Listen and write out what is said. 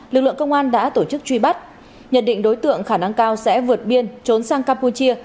lực lượng công an đã tổ chức truy bắt nhận định đối tượng khả năng cao sẽ vượt biên trốn sang campuchia